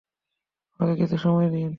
আমাকে কিছু সময় দেন।